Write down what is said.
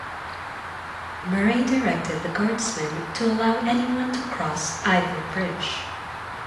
Murray directed the guardsmen to allow anyone to cross either bridge.